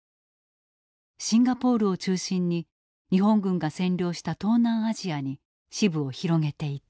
シンガポールを中心に日本軍が占領した東南アジアに支部を広げていた。